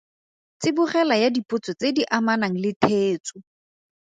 Tsibogela ya dipotso tse di amanang le theetso.